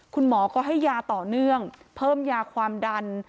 คุณหมอก็ให้ยาต่อเนื่องเพิ่มยาความดัน